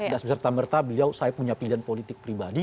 dan beserta beserta beliau saya punya pilihan politik pribadi